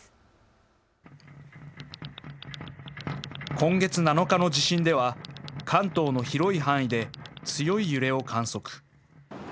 今月７日の地震では関東の広い範囲で強い揺れを観測。